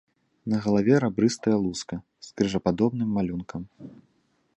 На галаве рабрыстая луска з крыжападобным малюнкам.